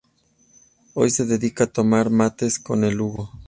Hoy se dedica a tomar mates con el Hugo.